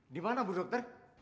dimana bu doper